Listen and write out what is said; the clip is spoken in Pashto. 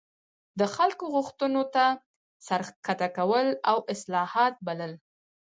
د خلکو غوښتنو ته سر ښکته کول او اصلاحات بلل.